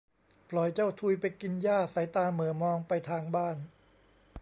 ปล่อยเจ้าทุยไปกินหญ้าสายตาเหม่อมองไปทางบ้าน